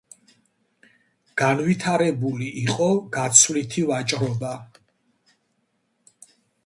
განვითარებული იყო გაცვლითი ვაჭრობა.